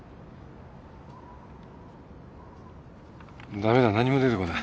駄目だ何も出てこない。